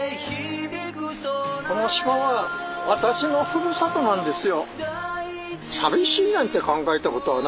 この島は私のふるさとなんですよ。